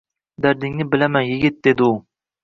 «Dardingni bilaman, yigit», — dedi u